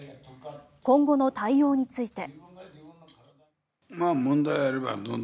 今後の対応について。